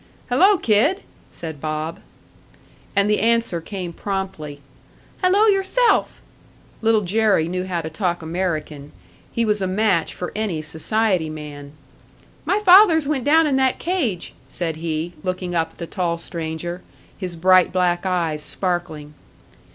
"Hello, kid!" said Bob. And the answer came promptly, "Hello, yourself!" Little Jerry knew how to talk American; he was a match for any society man! "My father's went down in that cage," said he, looking up at the tall stranger, his bright black eyes sparkling.